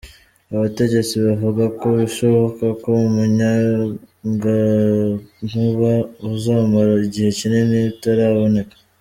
Abategetsi bavuga ko bishoboka ko umuyagankuba uzomara igihe kinini utaraboneka.